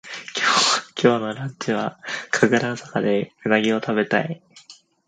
今日のランチは神楽坂でうなぎをたべたい